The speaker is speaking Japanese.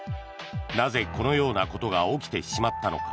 なぜ、このようなことが起きてしまったのか。